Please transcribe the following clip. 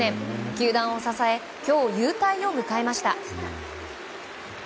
球団を支え今日、勇退を迎えました。